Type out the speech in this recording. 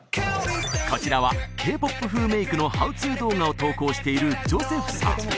こちらはＫ−ＰＯＰ風メイクのハウツー動画を投稿しているジョセフさん